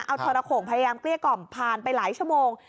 เอาทรโขงพยายามเกลี้ยกล่อมผ่านไปหลายชั่วโมง